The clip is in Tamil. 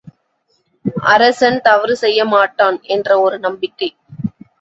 அரசன் தவறு செய்யமாட்டான் என்ற ஒரு நம்பிக்கை.